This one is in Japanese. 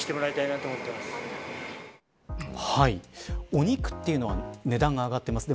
お肉というのは値段が上がってます。